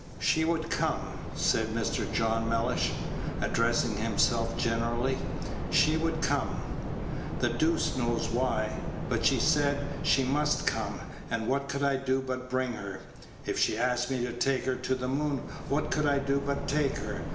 "She would come," said Mr. John Mellish, addressing himself generally; "she would come. The doose knows why! But she said she must come, and what could I do but bring her? If she asked me to take her to the moon, what could I do but take her?